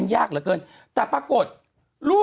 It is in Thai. คุณหนุ่มกัญชัยได้เล่าใหญ่ใจความไปสักส่วนใหญ่แล้ว